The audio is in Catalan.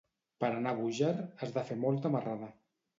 Per anar a Búger has de fer molta marrada.